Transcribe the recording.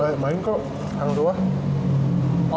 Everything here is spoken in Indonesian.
ini main kok yang tua